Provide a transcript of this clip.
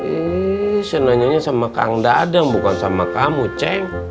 ih senangnya sama kang dadang bukan sama kamu ceng